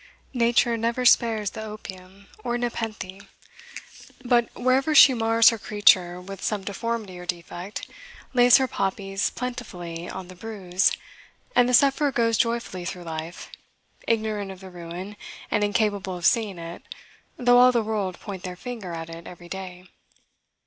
Nature never spares the opium or nepenthe; but wherever she mars her creature with some deformity or defect, lays her poppies plentifully on the bruise, and the sufferer goes joyfully through life, ignorant of the ruin, and incapable of seeing it, though all the world point their finger at it every day.